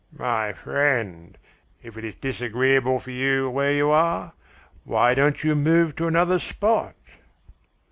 '" "My friend, if it is disagreeable for you where you are, why don't you move to another spot?"